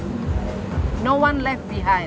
tidak ada yang akan meninggalkan